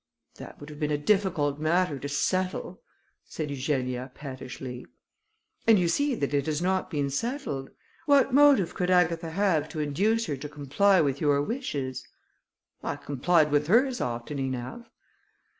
"That would have been a difficult matter to settle," said Eugenia pettishly. "And you see that it has not been settled. What motive could Agatha have to induce her to comply with your wishes?" "I complied with hers often enough."